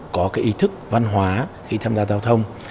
có cái ý thức văn hóa khi tham gia giao thông